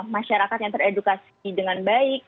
masyarakat yang teredukasi dengan baik